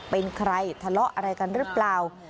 เป็นใครทะเลาะอะไรกันหรือเปล่า